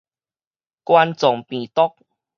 冠狀病毒